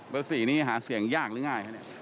บสนี่หาเสียงยากหรือง่ายครับ